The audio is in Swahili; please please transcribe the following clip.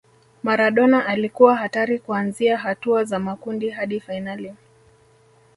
maradona alikuwa hatari kuanzia hatua za makundi hadi fainali